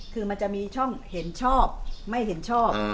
คือมันจะมีช่องเห็นชอบไม่เห็นชอบ